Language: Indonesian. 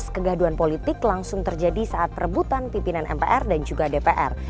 kegaduhan politik langsung terjadi saat perebutan pimpinan mpr dan juga dpr